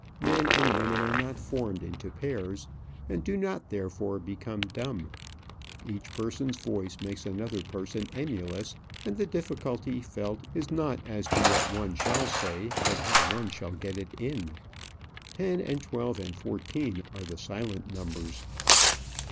Men and women are not formed into pairs, and do not therefore become dumb. Each person's voice makes another person emulous, and the difficulty felt is not as to what one shall say, but how one shall get it in. Ten, and twelve, and fourteen are the silent numbers.